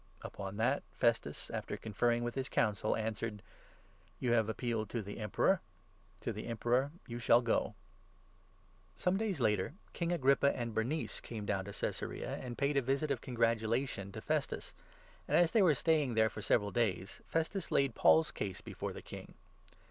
Upon that. Festus, after conferring with his Council, answered : 12 "You have appealed to the Emperor : to the Emperor you shall go." THE ACTS, 25 26. 263 Paul before Some days later King Agrippa and Bernice came 13 Herod down to Caesarea, and paid a visit of congratula Agrippa.ii. tjon to pestus ; and, as they were staying there 14 for several days, Festus laid Paul's case before the King.